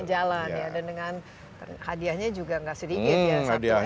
jalan ya dan dengan hadiahnya juga nggak sedikit ya